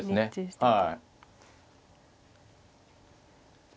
はい。